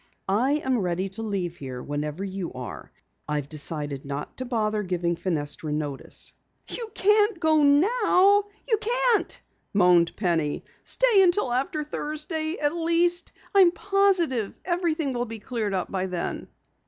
"I am ready to leave here whenever you are. I've decided not to bother giving Fenestra notice." "You can't go now. You can't!" moaned Penny. "Stay until after Thursday, at least. I'm positive everything will be cleared up by then."